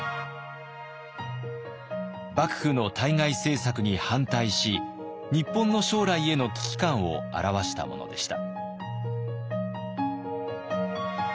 幕府の対外政策に反対し日本の将来への危機感を著したものでした。